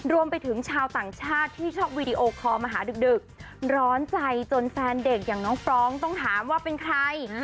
รวมไปถึงชาวต่างชาติที่ชอบวีดีโอคอลมาหาดึกร้อนใจจนแฟนเด็กอย่างน้องฟร้องต้องถามว่าเป็นใคร